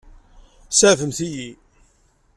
Saɛfemt-iyi.